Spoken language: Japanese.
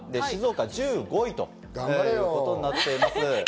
１５位ということになっています。